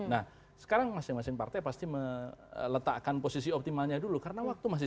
nah sekarang masing masing partai pasti meletakkan posisi optimalnya dulu karena waktu masih